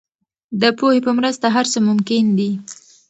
د پوهې په مرسته هر څه ممکن دي.